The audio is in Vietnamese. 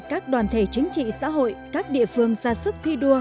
các đoàn thể chính trị xã hội các địa phương ra sức thi đua